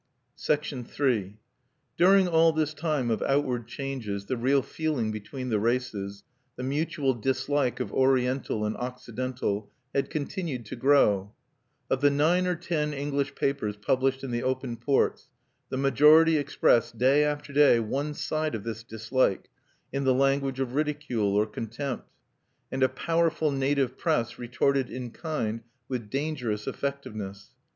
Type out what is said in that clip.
(1) See Japan Mail, July 21, 1895. III During all this time of outward changes the real feeling between the races the mutual dislike of Oriental and Occidental had continued to grow. Of the nine or ten English papers published in the open ports, the majority expressed, day after day, one side of this dislike, in the language of ridicule or contempt; and a powerful native press retorted in kind, with dangerous effectiveness.